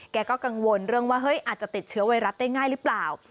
แกก็กังวลเรื่องว่าเฮ้ยอาจจะติดเชื้อไวรัสได้ง่ายหรือเปล่า